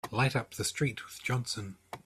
Light up with the street with Johnson!